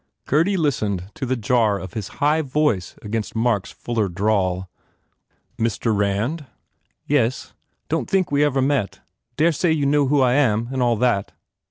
Gurdy listened to the jar of his high voice against Mark s fuller drawl. "Mr. Rand?" "Yes. Don t think we ve ever met. Daresay you know who I am and all that?"